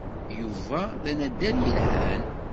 Yuba d anaddal yelhan.